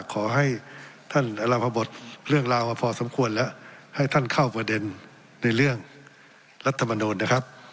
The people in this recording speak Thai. ขอให้ท่านรับบทเรื่องราวมาพอสมควรแล้วให้ท่านเข้าประเด็นในเรื่องรัฐมนูลนะครับ